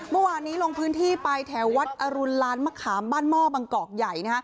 เมื่อวานนี้ลงพื้นที่ไปแถววัดอรุณลานมะขามบ้านหม้อบางกอกใหญ่